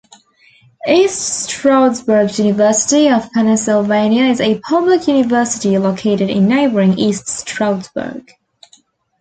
East Stroudsburg University of Pennsylvania is a public university located in neighboring East Stroudsburg.